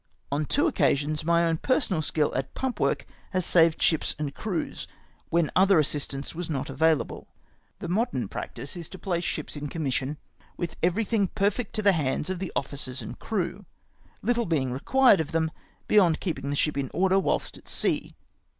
On two occasions my own personal skill at pump work has saved ships and crews when other assistance was not available. The modern practice is to place ships m commission, with ever3;1;lnng perfect to the hands of the officers and crew, httle being required of them beyond keeping the ship m order Avliilst at sea.